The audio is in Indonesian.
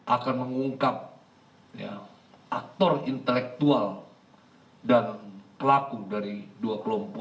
akan mengungkap aktor intelektual dan pelaku dari dua kelompok